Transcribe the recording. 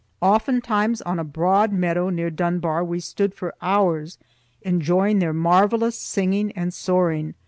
Oftentimes on a broad meadow near Dunbar we stood for hours enjoying their marvelous singing and soaring.